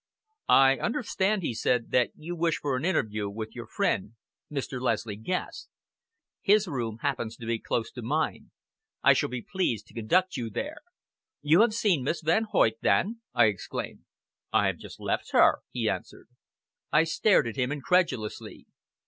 "I understand," he said, "that you wish for an interview with your friend, Mr. Leslie Guest. His room happens to be close to mine. I shall be pleased to conduct you there!" "You have seen Miss Van Hoyt then?" I exclaimed. "I have just left her!" he answered. I stared at him incredulously.